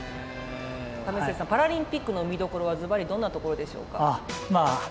為末さんパラリンピックの見どころはずばりどんなところでしょうか？